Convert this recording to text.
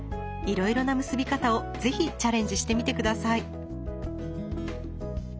いろいろな結び方を是非チャレンジしてみて下さい。